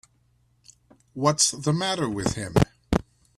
What's the matter with him.